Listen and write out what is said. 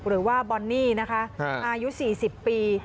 หรือว่าบอนนี่นะคะอายุ๔๐ปี